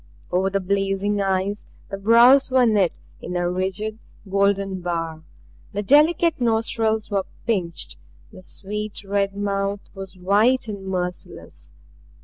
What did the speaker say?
Over the blazing eyes the brows were knit in a rigid, golden bar; the delicate nostrils were pinched; the sweet red mouth was white and merciless.